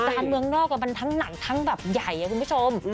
การเมืองนอกมันทั้งหนังทั้งแบบใหญ่คุณผู้ชม